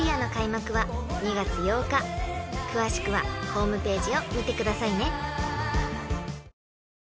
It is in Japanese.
［詳しくはホームページを見てくださいね］